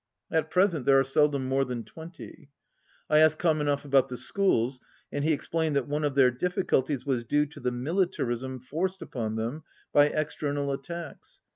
At present there are seldom more than twenty. I asked Ka menev about the schools, and he explained that one of their difficulties was due to the militarism forced upon them by external attacks.